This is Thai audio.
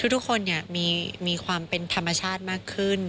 ทุกคนมีความเป็นธรรมชาติมากขึ้น